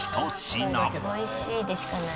「美味しいでしかない」